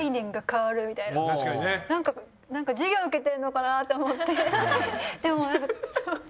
授業受けてるのかなって思って。